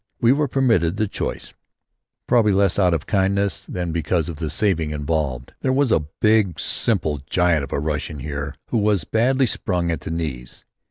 We were permitted the choice, probably less out of kindness than because of the saving involved. There was a big simple giant of a Russian here who was badly sprung at the knees.